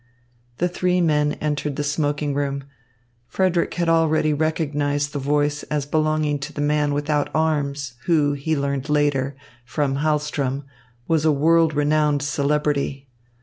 The three men entered the smoking room. Frederick had already recognised the voice as belonging to the man without arms, who, he learned later, from Hahlström, was a world renowned celebrity.